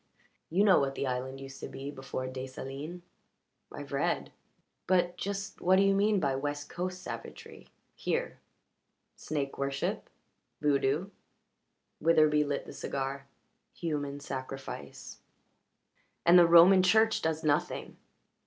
You know what the island used to be before Desalines." "I've read. But just what do you mean by West Coast savagery here?" "Snake worship. Voodoo." Witherbee lit the cigar "Human sacrifice." "And the Roman Church does nothing!"